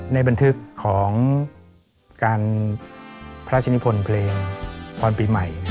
ในบันทึกของการพระราชนิพลเพลงพรปีใหม่